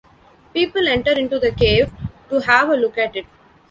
People enter into the cave to have a look at it.